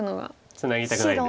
ツナぎたくないんです。